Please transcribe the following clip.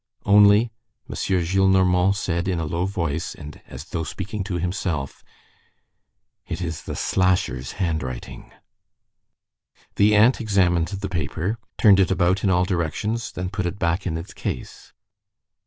Only, M. Gillenormand said in a low voice and as though speaking to himself:— "It is the slasher's handwriting." The aunt examined the paper, turned it about in all directions, then put it back in its case.